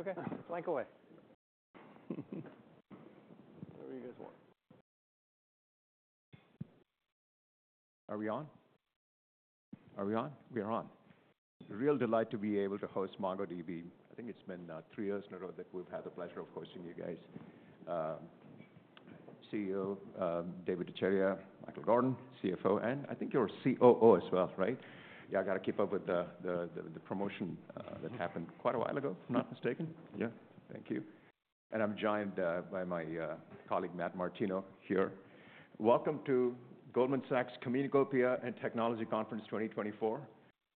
Okay, sure. Okay, fire away. Whatever you guys want. Are we on? Are we on? We are on. A real delight to be able to host MongoDB. I think it's been three years in a row that we've had the pleasure of hosting you guys. CEO Dev Ittycheria, Michael Gordon, CFO, and I think you're COO as well, right? Yeah, I gotta keep up with the promotion that happened quite a while ago, if I'm not mistaken. Yeah. Thank you. And I'm joined by my colleague, Matt Martino, here. Welcome to Goldman Sachs Communacopia & Technology Conference 2024.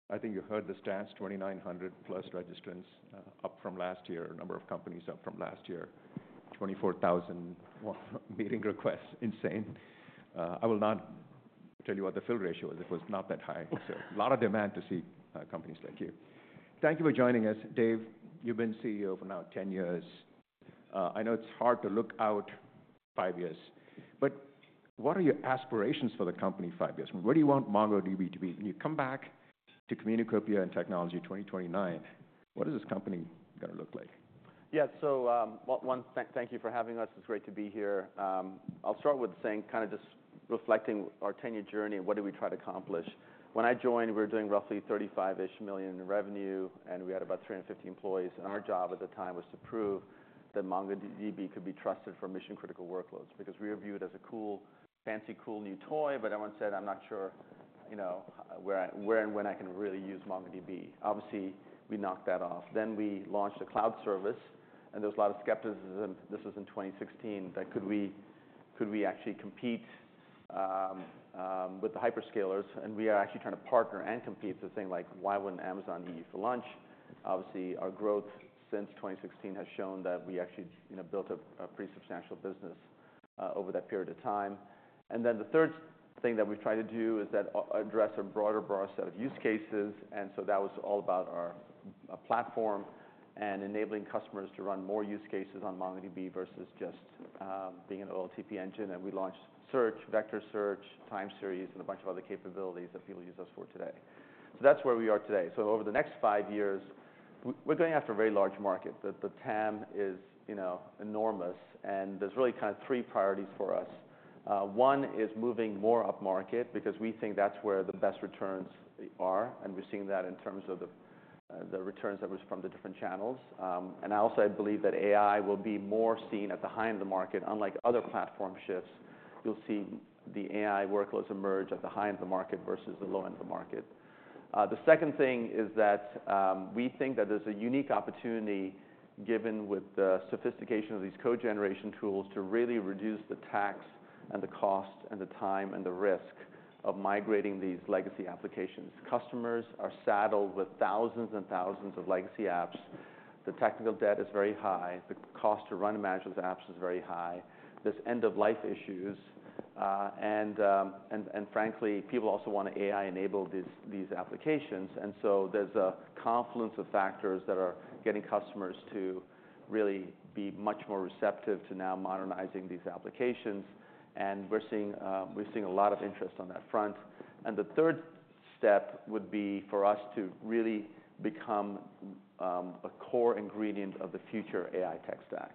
I think you heard the stats, 2,900-plus registrants, up from last year. Number of companies up from last year, 24,000, well, meeting requests. Insane. I will not tell you what the fill ratio is. It was not that high. So a lot of demand to see companies like you. Thank you for joining us. Dev, you've been CEO for now 10 years. I know it's hard to look out five years, but what are your aspirations for the company in five years? Where do you want MongoDB to be? When you come back to Communacopia & Technology 2029, what is this company gonna look like? Yeah. So, thank you for having us. It's great to be here. I'll start with saying, kinda just reflecting our 10-year journey and what did we try to accomplish. When I joined, we were doing roughly $35-ish million in revenue, and we had about 350 employees, and our job at the time was to prove that MongoDB could be trusted for mission-critical workloads. Because we were viewed as a cool, fancy, cool, new toy, but everyone said: "I'm not sure, you know, where and when I can really use MongoDB." Obviously, we knocked that off. Then we launched a cloud service, and there was a lot of skepticism, this was in 2016, that could we actually compete with the hyperscalers? We are actually trying to partner and compete to saying, like, "Why wouldn't Amazon eat you for lunch?" Obviously, our growth since 2016 has shown that we actually, you know, built a pretty substantial business over that period of time. Then the third thing that we've tried to do is address a broader set of use cases, and so that was all about our platform and enabling customers to run more use cases on MongoDB versus just being an OLTP engine. We launched Search, Vector Search, Time Series, and a bunch of other capabilities that people use us for today. That's where we are today. Over the next five years, we're going after a very large market. The TAM is, you know, enormous, and there's really kind of three priorities for us. One is moving more upmarket because we think that's where the best returns are, and we've seen that in terms of the returns that was from the different channels, and I also believe that AI will be more seen at the high-end of the market. Unlike other platform shifts, you'll see the AI workloads emerge at the high-end of the market versus the low-end of the market. The second thing is that we think that there's a unique opportunity, given with the sophistication of these code generation tools, to really reduce the tax and the cost, and the time, and the risk of migrating these legacy applications. Customers are saddled with thousands and thousands of legacy apps. The technical debt is very high. The cost to run and manage the apps is very high. There's end-of-life issues, and frankly, people also want to AI-enable these applications. And so there's a confluence of factors that are getting customers to really be much more receptive to now modernizing these applications, and we're seeing a lot of interest on that front. And the third step would be for us to really become a core ingredient of the future AI tech stack.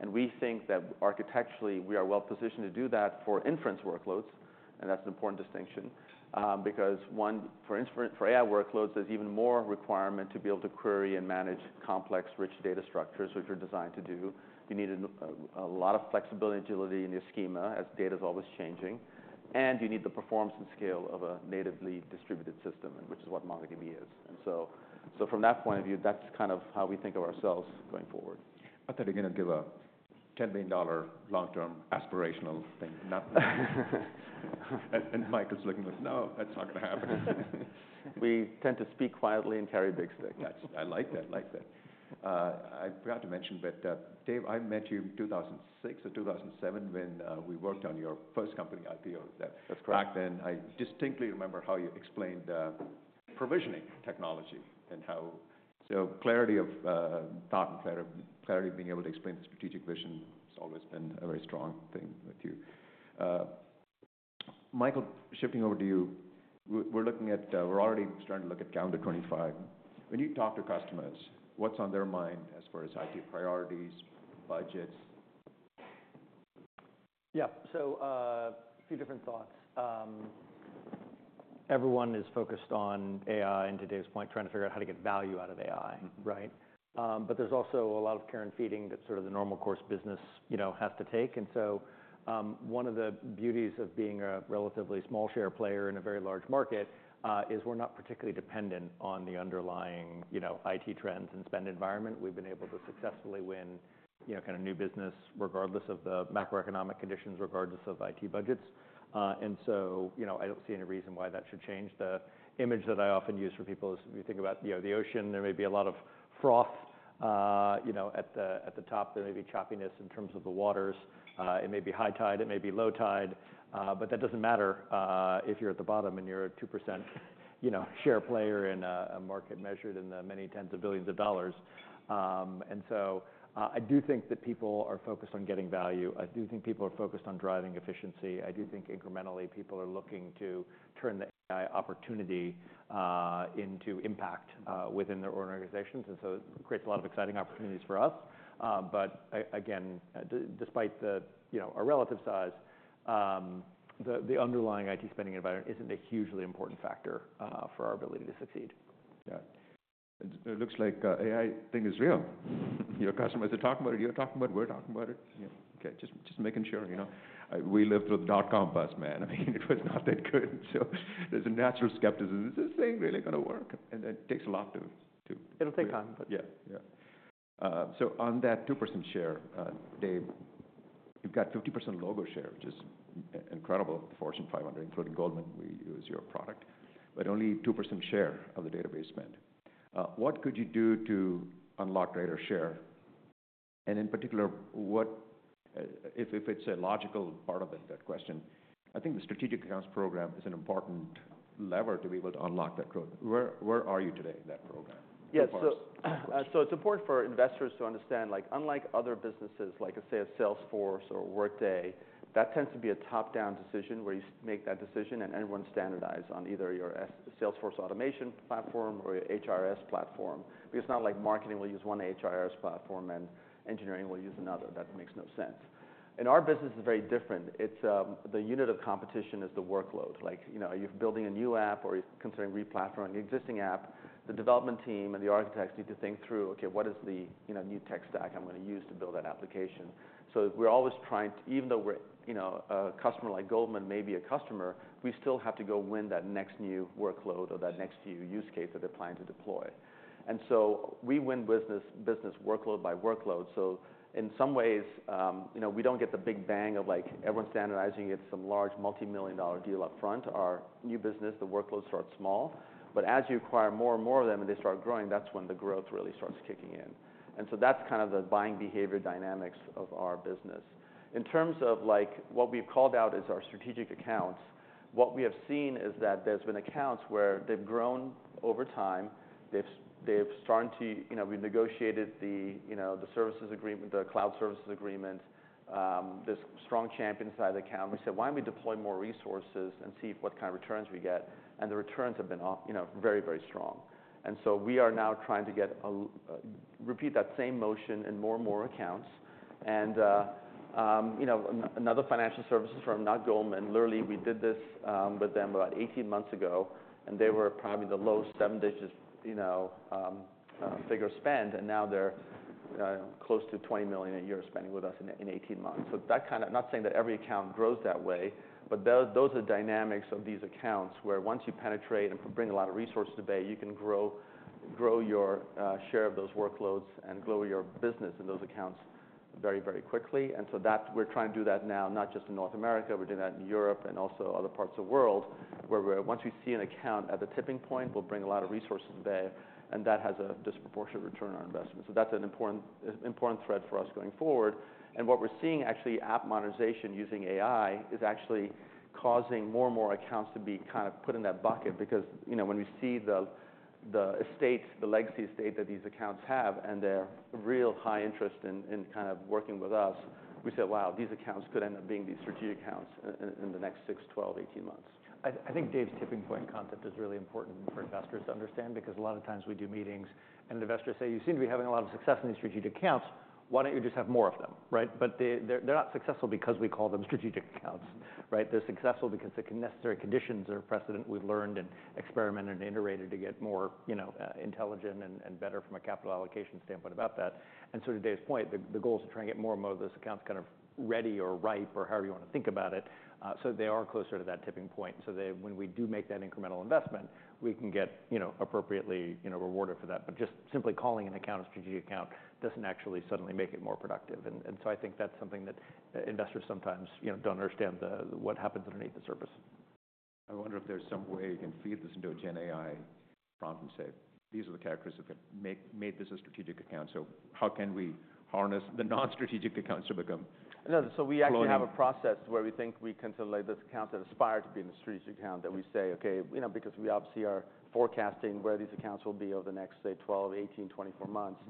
And we think that architecturally, we are well positioned to do that for inference workloads, and that's an important distinction. Because one, for inference, for AI workloads, there's even more requirement to be able to query and manage complex, rich data structures, which are designed to do. You need a lot of flexibility and agility in your schema, as data is always changing, and you need the performance and scale of a natively distributed system, and which is what MongoDB is, and so from that point of view, that's kind of how we think of ourselves going forward. I thought you're gonna give a $10 billion long-term aspirational thing, not... And, and Michael's looking at us, "No, that's not gonna happen. We tend to speak quietly and carry big sticks. I like that. I like that. I forgot to mention, but, Dev, I met you in 2006 or 2007 when we worked on your first company IPO. That's correct. Back then, I distinctly remember how you explained provisioning technology and how. So clarity of thought and clarity of being able to explain the strategic vision has always been a very strong thing with you. Michael, shifting over to you. We're already starting to look at calendar 2025. When you talk to customers, what's on their mind as far as IT priorities, budgets? Yeah. So, a few different thoughts. Everyone is focused on AI, and to Dev's point, trying to figure out how to get value out of AI, right? But there's also a lot of care and feeding that's sort of the normal course business, you know, has to take. And so, one of the beauties of being a relatively small share player in a very large market is we're not particularly dependent on the underlying, you know, IT trends and spend environment. We've been able to successfully win, you know, kind of new business, regardless of the macroeconomic conditions, regardless of IT budgets. And so, you know, I don't see any reason why that should change. The image that I often use for people is, if you think about, you know, the ocean, there may be a lot of froth, you know, at the top. There may be choppiness in terms of the waters. It may be high tide, it may be low tide, but that doesn't matter if you're at the bottom and you're a 2%, you know, share player in a market measured in the many tens of billions of dollars. And so I do think that people are focused on getting value. I do think people are focused on driving efficiency. I do think incrementally, people are looking to turn the AI opportunity into impact within their own organizations, and so it creates a lot of exciting opportunities for us. But again, despite, you know, our relative size, the underlying IT spending environment isn't a hugely important factor for our ability to succeed. Got it... It looks like the AI thing is real. Your customers are talking about it, you're talking about it, we're talking about it. Yeah, okay, just making sure, you know. We lived with dotcom bust, man. I mean, it was not that good. So there's a natural skepticism. Is this thing really gonna work? And it takes a lot to- It'll take time, but- Yeah. Yeah. So on that 2% share, Dev, you've got 50% logo share, which is incredible. Fortune 500, including Goldman, we use your product, but only 2% share of the database spend. What could you do to unlock greater share? And in particular, what if it's a logical part of it, that question, I think the strategic accounts program is an important lever to be able to unlock that growth. Where are you today in that program? Yeah, so it's important for investors to understand, like, unlike other businesses, like, say, a Salesforce or Workday, that tends to be a top-down decision, where you make that decision and everyone standardize on either your Salesforce automation platform or your HRIS platform. Because it's not like marketing will use one HRIS platform and engineering will use another. That makes no sense. And our business is very different. It's the unit of competition is the workload. Like, you know, you're building a new app or you're considering replatforming an existing app, the development team and the architects need to think through, "Okay, what is the, you know, new tech stack I'm gonna use to build that application?" So we're always trying to... Even though we're, you know, a customer like Goldman may be a customer, we still have to go win that next new workload or that next new use case that they're planning to deploy. And so we win business workload by workload. So in some ways, you know, we don't get the big bang of, like, everyone standardizing, gets some large multi-million dollar deal up front. Our new business, the workloads start small, but as you acquire more and more of them and they start growing, that's when the growth really starts kicking in. And so that's kind of the buying behavior dynamics of our business. In terms of, like, what we've called out as our strategic accounts, what we have seen is that there's been accounts where they've grown over time, they've starting to... You know, we negotiated the, you know, the services agreement, the cloud services agreement. There's strong champion inside the account. We said, "Why don't we deploy more resources and see what kind of returns we get?" And the returns have been, you know, very, very strong. And so we are now trying to repeat that same motion in more and more accounts. And, you know, another financial services firm, not Goldman, literally, we did this with them about 18 months ago, and they were probably the low seven digits, you know, figure spend, and now they're close to $20 million a year spending with us in 18 months. So that kind of... I'm not saying that every account grows that way, but those are the dynamics of these accounts, where once you penetrate and bring a lot of resources to bear, you can grow your share of those workloads and grow your business in those accounts very, very quickly. And so that, we're trying to do that now, not just in North America, we're doing that in Europe and also other parts of the world, where once we see an account at the tipping point, we'll bring a lot of resources to bear, and that has a disproportionate return on investment. That's an important, important thread for us going forward. What we're seeing, actually, app modernization using AI, is actually causing more and more accounts to be kind of put in that bucket because, you know, when we see the estate, the legacy estate that these accounts have, and their real high interest in kind of working with us, we say, "Wow, these accounts could end up being the strategic accounts in the next six, twelve, eighteen months. I think Dev's tipping point concept is really important for investors to understand, because a lot of times we do meetings and the investors say: "You seem to be having a lot of success in these strategic accounts. Why don't you just have more of them?" Right? But they... They're not successful because we call them strategic accounts, right? They're successful because the necessary conditions are precedent we've learned and experimented and iterated to get more, you know, intelligent and better from a capital allocation standpoint about that. And so to Dev's point, the goal is to try and get more and more of those accounts kind of ready or ripe, or however you want to think about it, so they are closer to that tipping point. When we do make that incremental investment, we can get, you know, appropriately, you know, rewarded for that. But just simply calling an account a strategic account doesn't actually suddenly make it more productive. And so I think that's something that investors sometimes, you know, don't understand what happens underneath the surface. I wonder if there's some way you can feed this into a GenAI prompt and say, "These are the characteristics that make- made this a strategic account, so how can we harness the non-strategic accounts to become- No, so we actually- -blown? Have a process where we think we can tell, like, those accounts that aspire to be in a strategic account, that we say, "Okay," you know, because we obviously are forecasting where these accounts will be over the next, say, 12, 18, 24 months,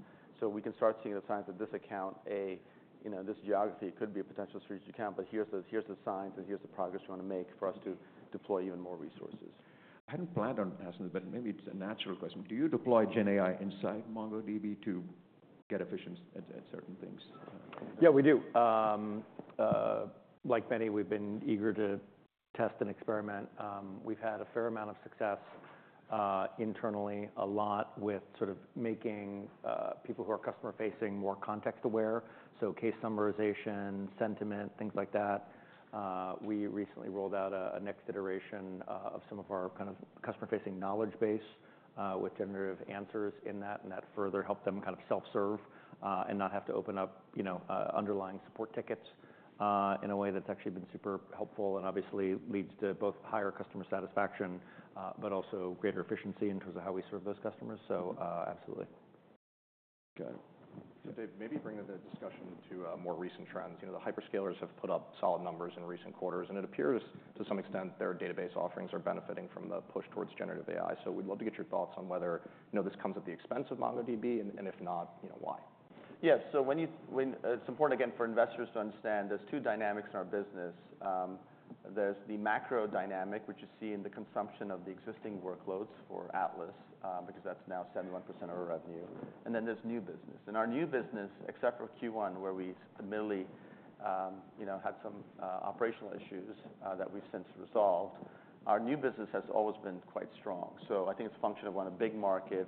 so we can start seeing the signs of this account, A, you know, this geography could be a potential strategic account, but here's the signs and here's the progress we wanna make for us to deploy even more resources. I hadn't planned on asking this, but maybe it's a natural question: Do you deploy GenAI inside MongoDB to get efficiency at certain things? Yeah, we do. Like many, we've been eager to test and experiment. We've had a fair amount of success internally, a lot with sort of making people who are customer-facing more context-aware, so case summarization, sentiment, things like that. We recently rolled out a next iteration of some of our kind of customer-facing knowledge base with generative answers in that, and that further helped them kind of self-serve and not have to open up, you know, underlying support tickets in a way that's actually been super helpful and obviously leads to both higher customer satisfaction but also greater efficiency in terms of how we serve those customers. So, absolutely. Okay. So Dev, maybe bring the discussion to, more recent trends. You know, the hyperscalers have put up solid numbers in recent quarters, and it appears, to some extent, their database offerings are benefiting from the push towards generative AI. So we'd love to get your thoughts on whether, you know, this comes at the expense of MongoDB, and if not, you know, why? Yes. So it's important, again, for investors to understand there's two dynamics in our business. There's the macro dynamic, which you see in the consumption of the existing workloads for Atlas, because that's now 71% of our revenue, and then there's new business. Our new business, except for Q1, where we you know had some operational issues that we've since resolved. Our new business has always been quite strong. So I think it's a function of one, a big market,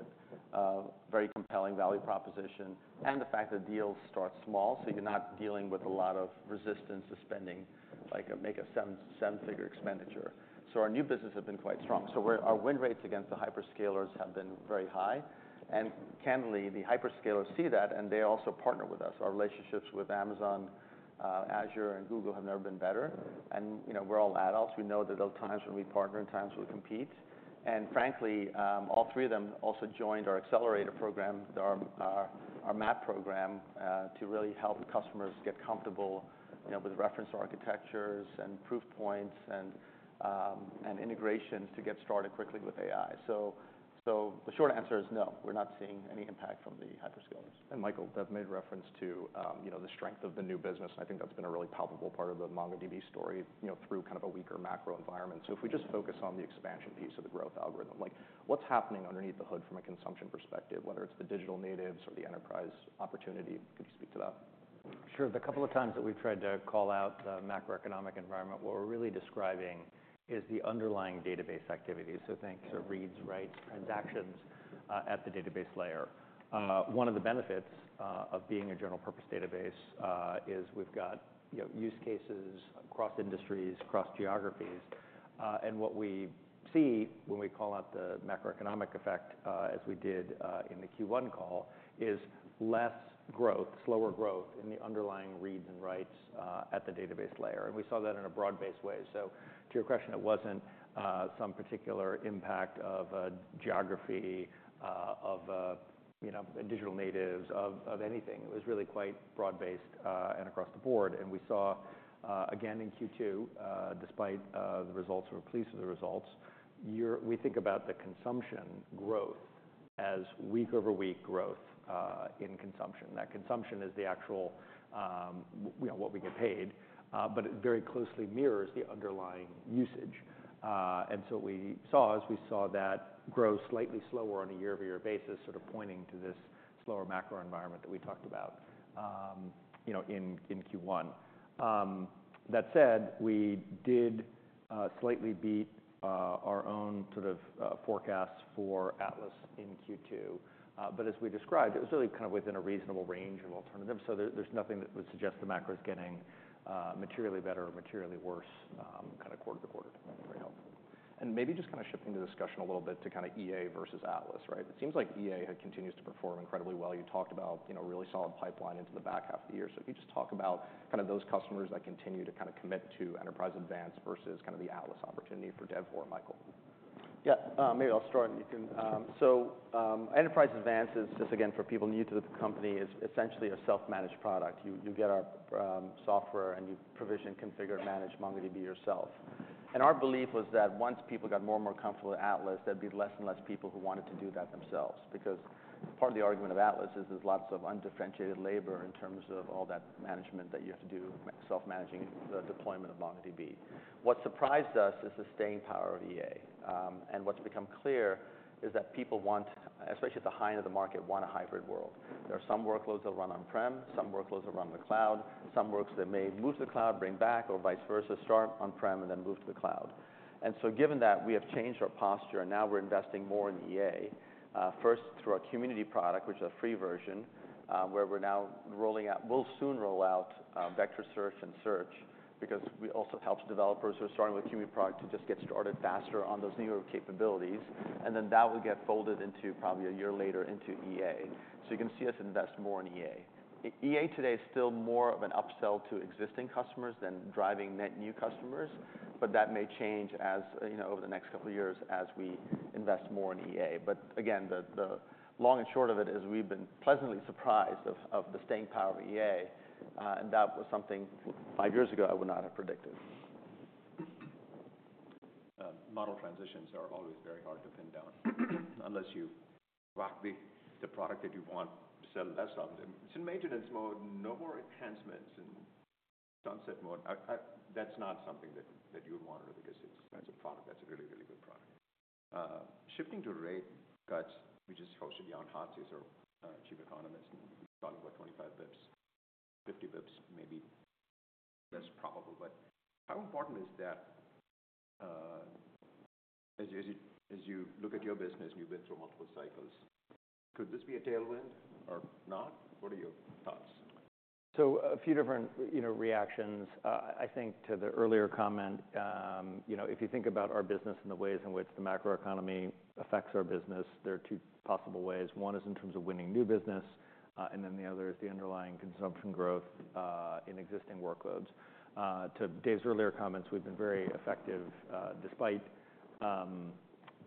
very compelling value proposition, and the fact that deals start small, so you're not dealing with a lot of resistance to spending, like make a seven-figure expenditure. So our new business has been quite strong. So we're our win rates against the hyperscalers have been very high, and candidly, the hyperscalers see that, and they also partner with us. Our relationships with Amazon, Azure, and Google have never been better. And, you know, we're all adults. We know that there are times when we partner and times when we compete. And frankly, all three of them also joined our accelerator program, our MAAP program, to really help customers get comfortable, you know, with reference architectures and proof points and integrations to get started quickly with AI. So the short answer is no, we're not seeing any impact from the hyperscalers. And Michael, Dev made reference to, you know, the strength of the new business, and I think that's been a really palpable part of the MongoDB story, you know, through kind of a weaker macro environment. So if we just focus on the expansion piece of the growth algorithm, like, what's happening underneath the hood from a consumption perspective, whether it's the digital natives or the enterprise opportunity? Could you speak to that? Sure. The couple of times that we've tried to call out the macroeconomic environment, what we're really describing is the underlying database activity. So think sort of reads, writes, transactions, at the database layer. One of the benefits of being a general purpose database is we've got, you know, use cases across industries, across geographies. And what we see when we call out the macroeconomic effect, as we did, in the Q1 call, is less growth, slower growth in the underlying reads and writes, at the database layer. And we saw that in a broad-based way. So to your question, it wasn't some particular impact of a geography, of you know digital natives, of anything. It was really quite broad-based, and across the board. We saw, again, in Q2, despite the results, we're pleased with the results year-over-year. We think about the consumption growth as week-over-week growth in consumption. That consumption is the actual, you know, what we get paid, but it very closely mirrors the underlying usage. What we saw is we saw that grow slightly slower on a year-over-year basis, sort of pointing to this slower macro environment that we talked about, you know, in Q1. That said, we did slightly beat our own sort of forecasts for Atlas in Q2, but as we described, it was really kind of within a reasonable range of alternatives, so there's nothing that would suggest the macro is getting materially better or materially worse, kind of quarter to quarter. Very helpful. And maybe just kind of shifting the discussion a little bit to kind of EA versus Atlas, right? It seems like EA continues to perform incredibly well. You talked about, you know, really solid pipeline into the back half of the year. So if you just talk about kind of those customers that continue to kind of commit to Enterprise Advanced versus kind of the Atlas opportunity for Dev or Michael. Yeah, maybe I'll start, and you can... So, Enterprise Advanced is, just again, for people new to the company, is essentially a self-managed product. You get our software and you provision, configure, manage MongoDB yourself. And our belief was that once people got more and more comfortable with Atlas, there'd be less and less people who wanted to do that themselves. Because part of the argument of Atlas is there's lots of undifferentiated labor in terms of all that management that you have to do, self-managing the deployment of MongoDB. What surprised us is the staying power of EA. And what's become clear is that people want, especially at the high end of the market, want a hybrid world. There are some workloads that run on-prem, some workloads that run on the cloud, some workloads that may move to the cloud, bring back, or vice versa, start on-prem and then move to the cloud, and so given that, we have changed our posture, and now we're investing more in EA first through our community product, which is a free version, where we're now rolling out, we'll soon roll out vector search and search, because it also helps developers who are starting with community product to just get started faster on those newer capabilities, and then that will get folded into probably a year later into EA, so you can see us invest more in EA. EA today is still more of an upsell to existing customers than driving net new customers, but that may change as, you know, over the next couple of years as we invest more in EA. But again, the long and short of it is we've been pleasantly surprised of the staying power of EA, and that was something five years ago I would not have predicted. Model transitions are always very hard to pin down, unless you block the product that you want to sell less of. It's in maintenance mode, no more enhancements, in sunset mode. That's not something that you would want to release as a product. That's a really, really good product. Shifting to rate cuts, we just hosted Jan Hatzius, our Chief Economist, and we talked about twenty-five basis points, fifty basis points, maybe less probable. But how important is that, as you look at your business, and you've been through multiple cycles, could this be a tailwind or not? What are your thoughts? So a few different, you know, reactions. I think to the earlier comment, you know, if you think about our business and the ways in which the macroeconomy affects our business, there are two possible ways. One is in terms of winning new business, and then the other is the underlying consumption growth, in existing workloads. To Dev's earlier comments, we've been very effective, despite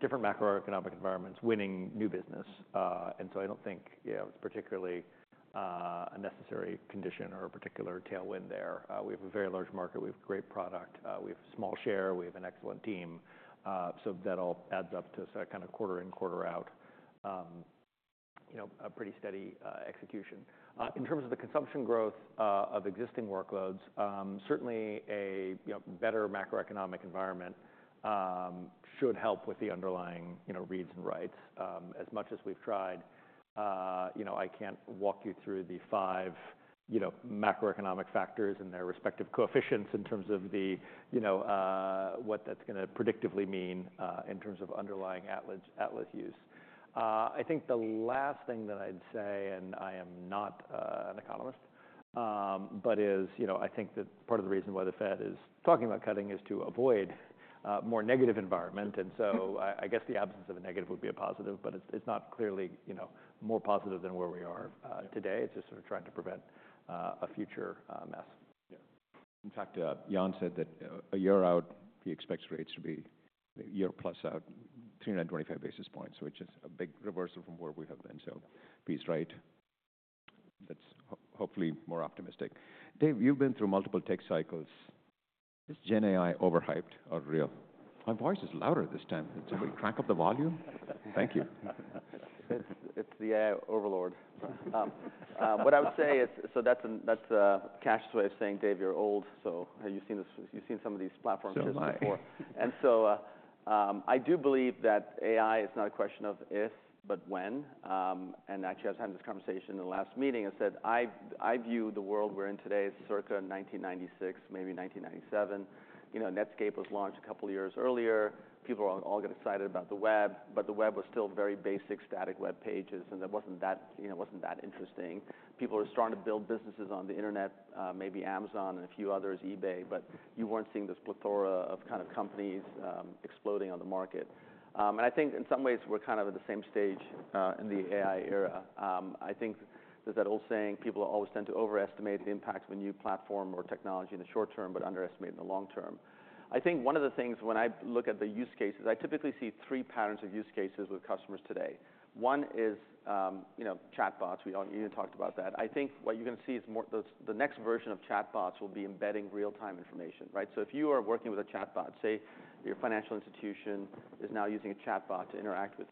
different macroeconomic environments, winning new business. And so I don't think, yeah, it's particularly, a necessary condition or a particular tailwind there. We have a very large market. We have a great product. We have a small share. We have an excellent team. So that all adds up to kind of quarter in, quarter out, you know, a pretty steady, execution. In terms of the consumption growth of existing workloads, certainly a, you know, better macroeconomic environment should help with the underlying, you know, reads and writes. As much as we've tried, you know, I can't walk you through the five, you know, macroeconomic factors and their respective coefficients in terms of the, you know, what that's gonna predictively mean, in terms of underlying outlet use. I think the last thing that I'd say, and I am not an economist, but is, you know, I think that part of the reason why the Fed is talking about cutting is to avoid more negative environment. And so I guess the absence of a negative would be a positive, but it's not clearly, you know, more positive than where we are today. It's just sort of trying to prevent a future mess. Yeah. In fact, Jan said that, a year out, he expects rates to be a year plus out, three hundred and twenty-five basis points, which is a big reversal from where we have been. So if he's right, that's hopefully more optimistic. Dave, you've been through multiple tech cycles. Is GenAI overhyped or real? My voice is louder this time. Did somebody crank up the volume? Thank you. It's the AI overlord. What I would say is, so that's Kash's way of saying, "Dev, you're old, so have you seen this. You've seen some of these platforms used before. So am I. And so, I do believe that AI is not a question of if, but when. And actually, I was having this conversation in the last meeting and said, "I view the world we're in today as circa nineteen ninety-six, maybe nineteen ninety-seven." You know, Netscape was launched a couple of years earlier. People all got excited about the web, but the web was still very basic static web pages, and it wasn't that, you know, it wasn't that interesting. People were starting to build businesses on the internet, maybe Amazon and a few others, eBay, but you weren't seeing this plethora of kind of companies exploding on the market. And I think in some ways, we're kind of at the same stage in the AI era. I think there's that old saying, "People always tend to overestimate the impact of a new platform or technology in the short term, but underestimate in the long term." I think one of the things when I look at the use cases, I typically see three patterns of use cases with customers today. One is, you know, chatbots. We all. You talked about that. I think what you're gonna see is more, those, the next version of chatbots will be embedding real-time information, right? So if you are working with a chatbot, say, your financial institution is now using a chatbot to interact with.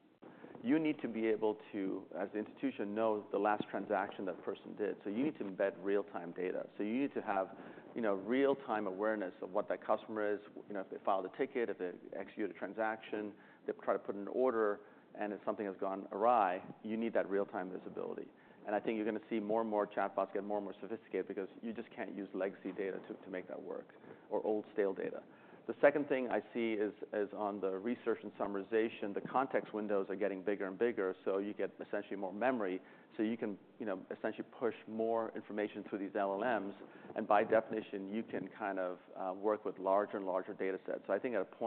You need to be able to, as the institution, know the last transaction that person did. So you need to embed real-time data. So you need to have, you know, real-time awareness of what that customer is. You know, if they filed a ticket, if they executed a transaction, they've tried to put an order, and if something has gone awry, you need that real-time visibility. I think you're gonna see more and more chatbots get more and more sophisticated because you just can't use legacy data to make that work, or old, stale data. The second thing I see is on the research and summarization. The context windows are getting bigger and bigger, so you get essentially more memory. So you can, you know, essentially push more information through these LLMs, and by definition, you can kind of work with larger and larger data sets. So I think at a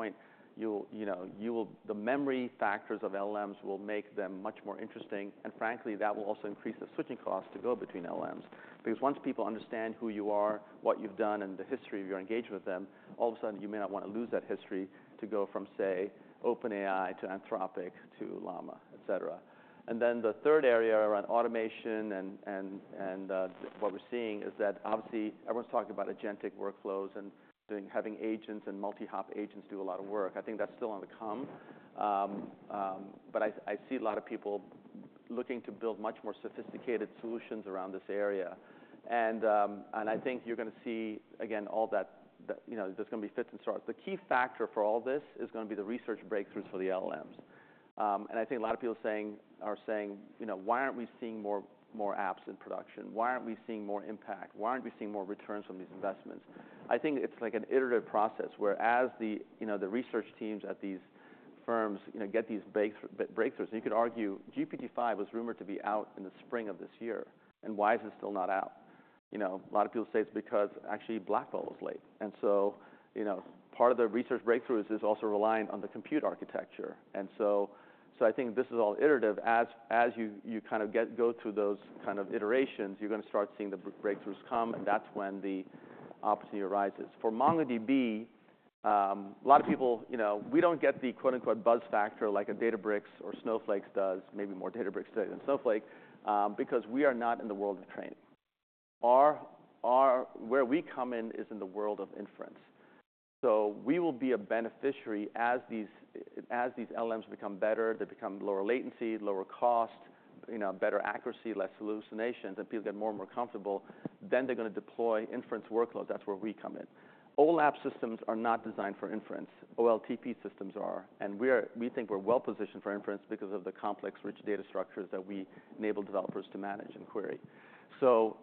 point, you know, the memory factors of LLMs will make them much more interesting, and frankly, that will also increase the switching costs to go between LLMs. Because once people understand who you are, what you've done, and the history of your engagement with them, all of a sudden, you may not want to lose that history to go from, say, OpenAI to Anthropic, to Llama, et cetera. And then the third area around automation, what we're seeing is that, obviously, everyone's talking about agentic workflows and doing, having agents and multi-hop agents do a lot of work. I think that's still on the come. But I see a lot of people looking to build much more sophisticated solutions around this area. And I think you're gonna see, again, all that. You know, there's gonna be fits and starts. The key factor for all this is gonna be the research breakthroughs for the LLMs. And I think a lot of people are saying, "You know, why aren't we seeing more apps in production? Why aren't we seeing more impact? Why aren't we seeing more returns from these investments?" I think it's like an iterative process, where as the, you know, the research teams at these firms, you know, get these breakthroughs. You could argue, GPT-5 was rumored to be out in the spring of this year, and why is it still not out? You know, a lot of people say it's because actually Blackwell was late. And so, you know, part of the research breakthroughs is also reliant on the compute architecture. And so, I think this is all iterative. As you kind of go through those kind of iterations, you're gonna start seeing the breakthroughs come, and that's when the opportunity arises. For MongoDB, a lot of people, you know, we don't get the quote, unquote, "buzz factor" like a Databricks or Snowflake does, maybe more Databricks today than Snowflake, because we are not in the world of training. Where we come in is in the world of inference. So we will be a beneficiary as these, as these LLMs become better, they become lower latency, lower cost, you know, better accuracy, less hallucinations, and people get more and more comfortable, then they're gonna deploy inference workloads. That's where we come in. OLAP systems are not designed for inference. OLTP systems are, and we think we're well positioned for inference because of the complex, rich data structures that we enable developers to manage and query. So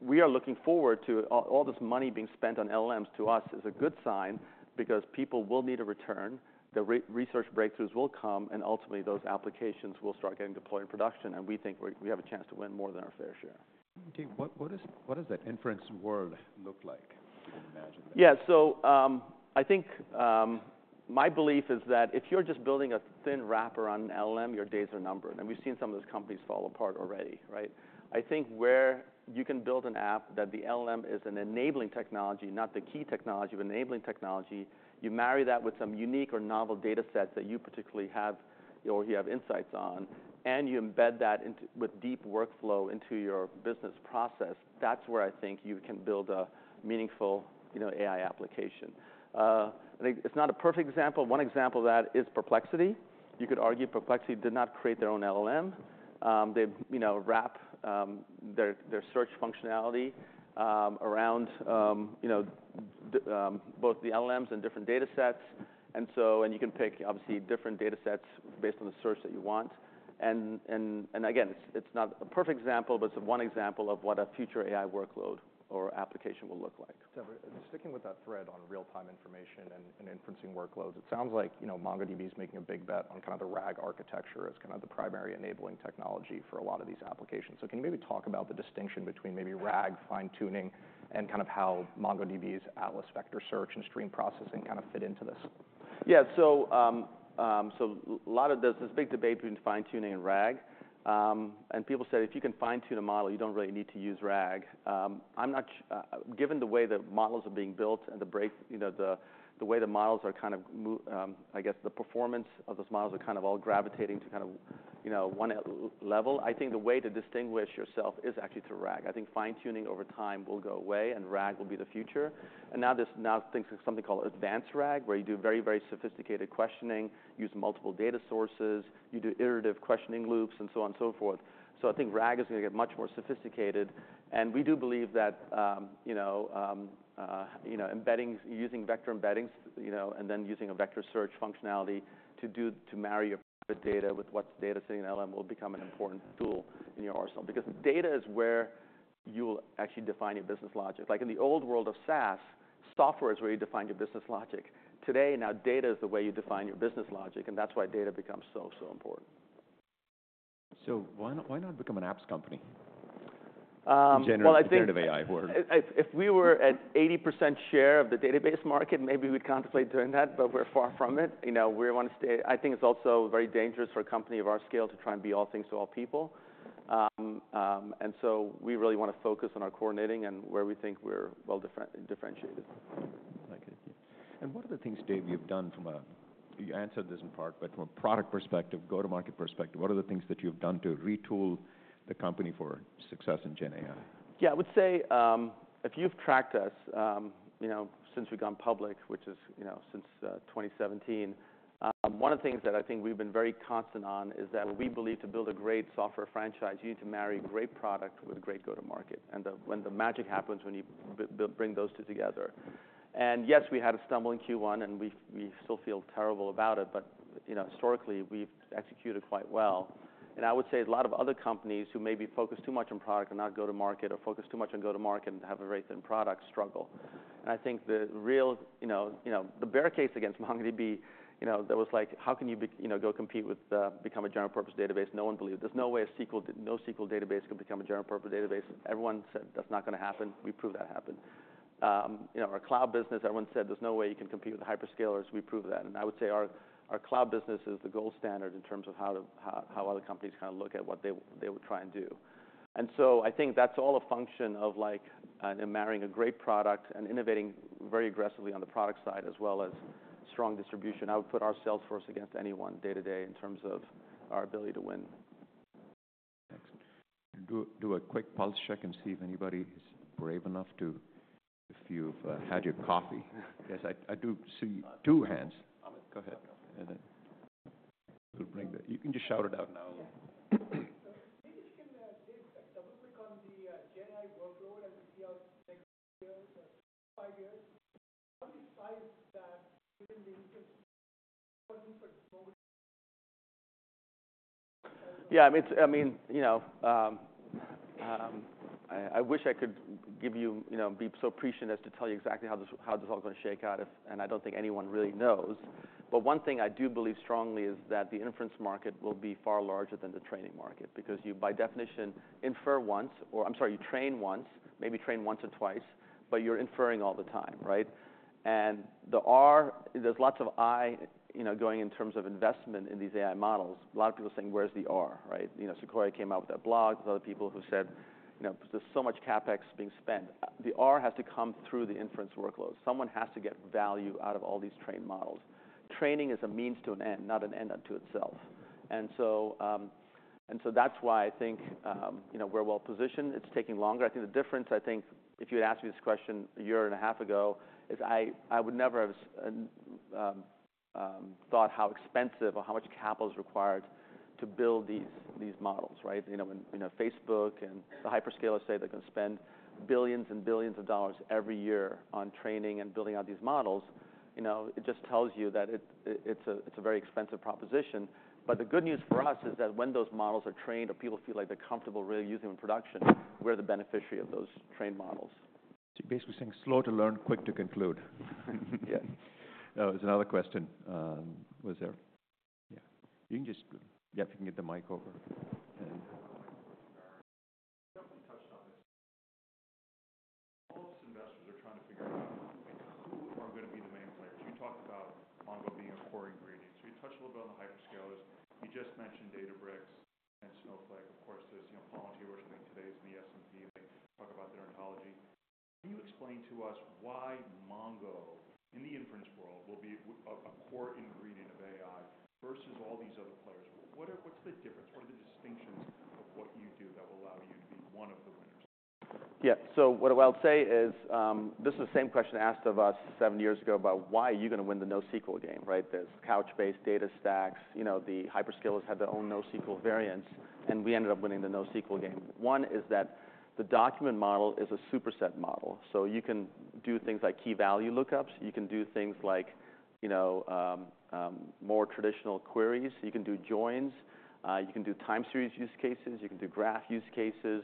we are looking forward to... All this money being spent on LLMs to us is a good sign because people will need a return, the research breakthroughs will come, and ultimately, those applications will start getting deployed in production, and we think we have a chance to win more than our fair share. Dev, what does that inference world look like, if you can imagine that? Yeah. So, I think my belief is that if you're just building a thin wrapper on an LLM, your days are numbered, and we've seen some of those companies fall apart already, right? I think where you can build an app that the LLM is an enabling technology, not the key technology, but enabling technology, you marry that with some unique or novel data sets that you particularly have or you have insights on, and you embed that with deep workflow into your business process, that's where I think you can build a meaningful, you know, AI application. I think it's not a perfect example. One example of that is Perplexity. You could argue Perplexity did not create their own LLM. They, you know, wrap their search functionality around, you know. Both the LLMs and different data sets, and so you can pick, obviously, different data sets based on the search that you want. And again, it's not a perfect example, but it's one example of what a future AI workload or application will look like. Dev, sticking with that thread on real-time information and inferencing workloads, it sounds like, you know, MongoDB is making a big bet on kind of the RAG architecture as kind of the primary enabling technology for a lot of these applications. So can you maybe talk about the distinction between maybe RAG fine-tuning and kind of how MongoDB's Atlas Vector Search and Stream Processing kind of fit into this? Yeah. So, lot of this, this big debate between fine-tuning and RAG, and people say if you can fine-tune a model, you don't really need to use RAG. Given the way that models are being built and the break, you know, the way the models are kind of moving. I guess the performance of those models are kind of all gravitating to kind of, you know, one level. I think the way to distinguish yourself is actually through RAG. I think fine-tuning over time will go away, and RAG will be the future. And now, something called advanced RAG, where you do very, very sophisticated questioning, use multiple data sources, you do iterative questioning loops, and so on and so forth. So I think RAG is gonna get much more sophisticated, and we do believe that, you know, embeddings, using vector embeddings, you know, and then using a vector search functionality to marry your data with what the data sitting in LM will become an important tool in your arsenal. Because data is where you'll actually define your business logic. Like, in the old world of SaaS, software is where you defined your business logic. Today, now data is the way you define your business logic, and that's why data becomes so, so important. So why not, why not become an apps company? Well, I think- Generative AI or- If we were at 80% share of the database market, maybe we'd contemplate doing that, but we're far from it. You know, we wanna stay... I think it's also very dangerous for a company of our scale to try and be all things to all people. And so we really wanna focus on our coordinating and where we think we're well differentiated. Thank you. And what are the things, Dev, you've done? You answered this in part, but from a product perspective, go-to-market perspective, what are the things that you've done to retool the company for success in GenAI? Yeah. I would say, if you've tracked us, you know, since we've gone public, which is, you know, since 2017, one of the things that I think we've been very constant on is that we believe to build a great software franchise, you need to marry great product with great go-to-market. And the, when the magic happens, when you build, bring those two together. And yes, we had a stumble in Q1, and we still feel terrible about it, but, you know, historically, we've executed quite well. And I would say a lot of other companies who may be focused too much on product and not go to market, or focus too much on go to market and have a very thin product struggle. And I think the real, you know, you know, the bear case against MongoDB, you know, that was like: How can you be, you know, go compete with, become a general purpose database? No one believed. There's no way a SQL to NoSQL database could become a general purpose database. Everyone said, "That's not gonna happen." We proved that happened. You know, our cloud business, everyone said, "There's no way you can compete with the hyperscalers." We proved that. And I would say our cloud business is the gold standard in terms of how to other companies kinda look at what they would try and do. And so I think that's all a function of, like, marrying a great product and innovating very aggressively on the product side, as well as strong distribution. I would put our sales force against anyone day-to-day in terms of our ability to win. Excellent. Do a quick pulse check and see if anybody is brave enough to... If you've had your coffee. Yes, I do see two hands. Go ahead, and then we'll bring the... You can just shout it out now. Maybe you can give a double click on the GenAI workload and see how years, five years, besides that, given the... Yeah, I mean, it's, I mean, you know, I wish I could give you... You know, be so prescient as to tell you exactly how this, how this all is gonna shake out, if, and I don't think anyone really knows. But one thing I do believe strongly is that the inference market will be far larger than the training market because you, by definition, infer once or, I'm sorry, you train once, maybe train once or twice, but you're inferring all the time, right? And the R, there's lots of I, you know, going in terms of investment in these AI models. A lot of people are saying, "Where's the R?" Right? You know, Sequoia came out with that blog. There's other people who said, "You know, there's so much CapEx being spent." The R has to come through the inference workloads. Someone has to get value out of all these trained models. Training is a means to an end, not an end unto itself. And so, and so that's why I think, you know, we're well positioned. It's taking longer. I think the difference, I think, if you had asked me this question a year and a half ago, is I would never have thought how expensive or how much capital is required to build these models, right? You know, when, you know, Facebook and the hyperscalers say they're gonna spend billions and billions of dollars every year on training and building out these models, you know, it just tells you that it's a very expensive proposition. But the good news for us is that when those models are trained or people feel like they're comfortable really using them in production, we're the beneficiary of those trained models. So you're basically saying slow to learn, quick to conclude. Yeah. There's another question. Was there...? Yeah, you can just... Yeah, if you can get the mic over then. You definitely touched on this. All of us investors are trying to figure out who are gonna be the main players. You talked about Mongo being a core ingredient. So you touched a little bit on the hyperscalers. You just mentioned Databricks and Snowflake. Of course, there's, you know, Palantir, which I think today is in the S&P, like, talk about their ontology. Can you explain to us why Mongo, in the inference world, will be a core ingredient of AI versus all these other players? What's the difference? What are the distinctions of what you do that will allow you to be one of the winners? Yeah. So what I'll say is, this is the same question asked of us seven years ago about why are you gonna win the NoSQL game, right? There's Couchbase, DataStax. You know, the hyperscalers had their own NoSQL variants, and we ended up winning the NoSQL game. One is that the document model is a superset model, so you can do things like key value lookups, you can do things like, you know, more traditional queries, you can do joins, you can do time series use cases, you can do graph use cases.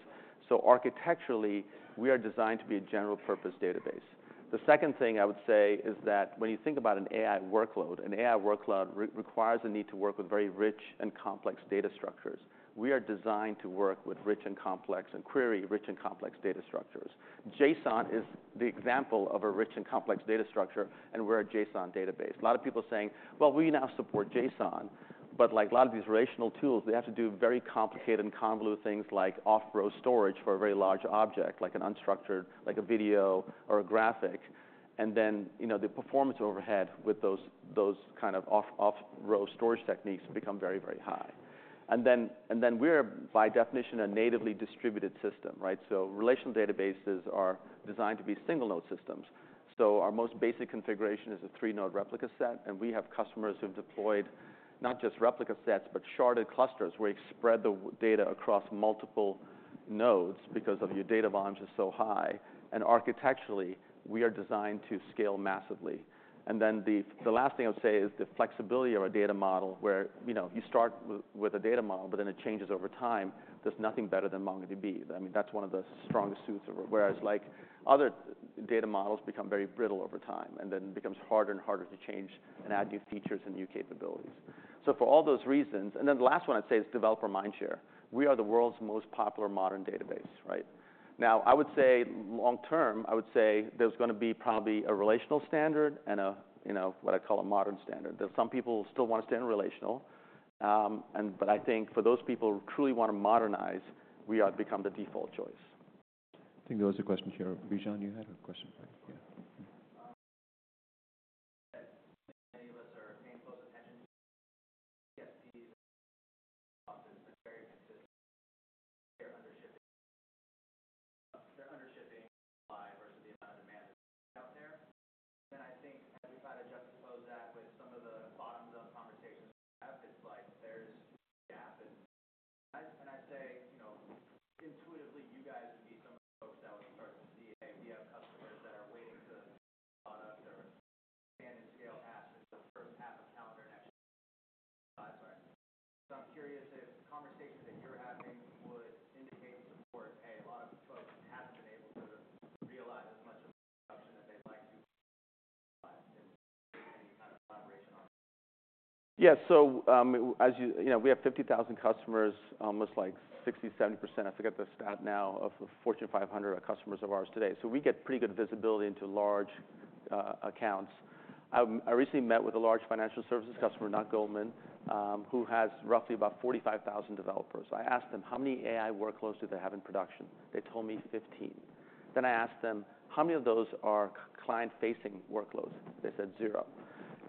So architecturally, we are designed to be a general purpose database. The second thing I would say is that when you think about an AI workload, an AI workload requires the need to work with very rich and complex data structures. We are designed to work with rich and complex, and query rich and complex data structures. JSON is the example of a rich and complex data structure, and we're a JSON database. A lot of people are saying, "Well, we now support JSON," but like a lot of these relational tools, they have to do very complicated and convoluted things like off-row storage for a very large object, like an unstructured, like a video or a graphic, and then, you know, the performance overhead with those kind of off-row storage techniques become very, very high, and then we're by definition, a natively distributed system, right? So relational databases are designed to be single-node systems. Our most basic configuration is a three-node replica set, and we have customers who've deployed not just replica sets, but sharded clusters, where you spread the data across multiple nodes because your data volume is so high, and architecturally, we are designed to scale massively, and then the last thing I would say is the flexibility of our data model, where, you know, you start with a data model, but then it changes over time. There's nothing better than MongoDB. I mean, that's one of the strongest suits of it. Whereas like other data models become very brittle over time, and then it becomes harder and harder to change and add new features and new capabilities. So for all those reasons... and then the last one I'd say is developer mindshare. We are the world's most popular modern database, right? Now, I would say long term, I would say there's gonna be probably a relational standard and a, you know, what I call a modern standard, that some people still want to stay in relational. But I think for those people who truly want to modernize, we have become the default choice. I think there was a question here. Bijan, you had a question? Yeah.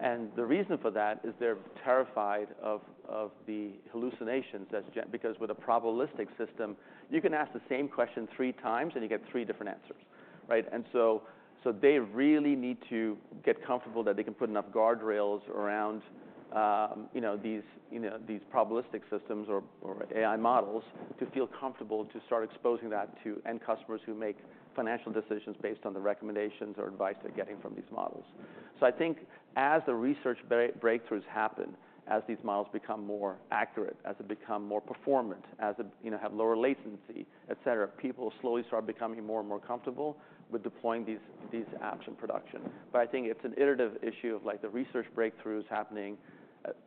And the reason for that is they're terrified of the hallucinations as GenAI because with a probabilistic system, you can ask the same question 3 times, and you get 3 different answers, right? And so they really need to get comfortable that they can put enough guardrails around you know these you know these probabilistic systems or AI models to feel comfortable to start exposing that to end customers who make financial decisions based on the recommendations or advice they're getting from these models. So I think as the research breakthroughs happen as these models become more accurate as they become more performant as they you know have lower latency et cetera people slowly start becoming more and more comfortable with deploying these apps in production. But I think it's an iterative issue of like the research breakthroughs happening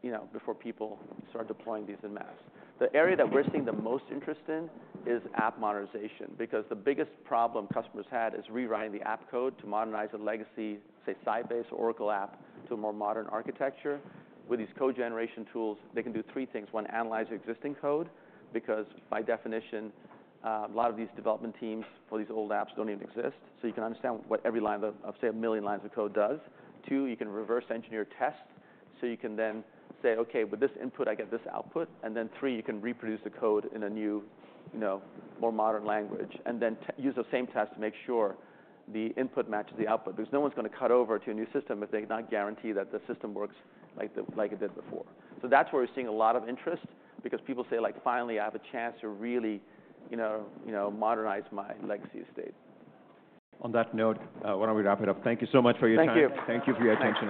you know before people start deploying these en masse. The area that we're seeing the most interest in is app modernization, because the biggest problem customers had is rewriting the app code to modernize a legacy, say, Siebel-based Oracle app, to a more modern architecture. With these code generation tools, they can do three things: One, analyze your existing code, because by definition, a lot of these development teams for these old apps don't even exist. So you can understand what every line of, say, a million lines of code does. Two, you can reverse engineer tests, so you can then say: "Okay, with this input, I get this output." And then three, you can reproduce the code in a new, you know, more modern language, and then use the same test to make sure the input matches the output. Because no one's gonna cut over to a new system if they cannot guarantee that the system works like it did before. So that's where we're seeing a lot of interest, because people say, like: "Finally, I have a chance to really, you know, you know, modernize my legacy estate. On that note, why don't we wrap it up? Thank you so much for your time. Thank you. Thank you for your attention as well.